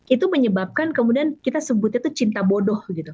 itu menyebabkan kemudian kita sebutnya itu cinta bodoh gitu